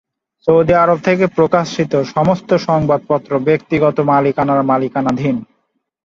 Saudi আরব থেকে প্রকাশিত সমস্ত সংবাদপত্র ব্যক্তিগত মালিকানার মালিকানাধীন।